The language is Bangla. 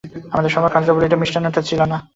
আমাদের সভার কার্যাবলীর মধ্যে মিষ্টান্নটা ছিল না।